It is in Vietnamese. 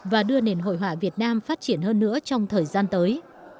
và đưa nền hội họa việt nam phát triển hơn nữa trong thời gian tới